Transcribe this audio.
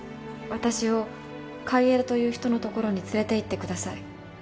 私を海江田という人のところに連れていってください。